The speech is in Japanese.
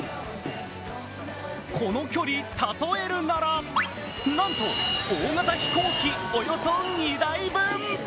この距離、例えるならなんと大型飛行機およそ２台分。